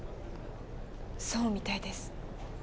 そうみたいです